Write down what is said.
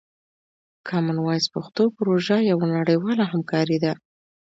کامن وایس پښتو پروژه یوه نړیواله همکاري ده.